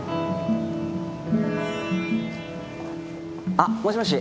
あもしもし